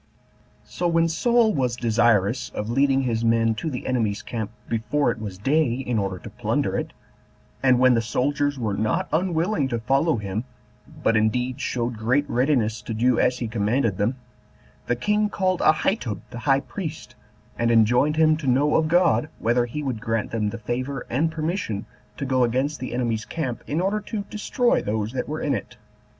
5. So when Saul was desirous of leading his men to the enemy's camp before it was day, in order to plunder it, and when the soldiers were not unwilling to follow him, but indeed showed great readiness to do as he commanded them, the king called Ahitub the high priest, and enjoined him to know of God whether he would grant them the favor and permission to go against the enemy's camp, in order to destroy those that were in it.